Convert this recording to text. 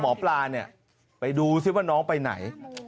เป็นทางพิเศษของหมอเปล่า